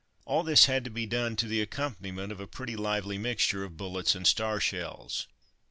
All this had to be done to the accompaniment of a pretty lively mixture of bullets and star shells.